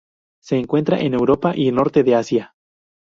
Se encuentra en Europa y norte de Asia.